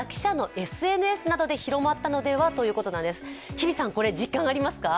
日比さん、これ実感ありますか？